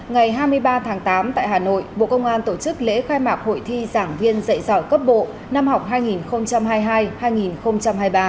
ngày hai mươi ba tháng tám tại hà nội bộ công an tổ chức lễ khai mạc hội thi giảng viên dạy giỏi cấp bộ năm học hai nghìn hai mươi hai hai nghìn hai mươi ba